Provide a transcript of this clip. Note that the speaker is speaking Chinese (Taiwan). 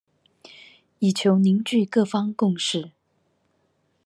以求凝聚各方共識